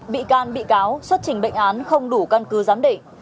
bị can bị cáo xuất trình bệnh án không đủ căn cứ giám định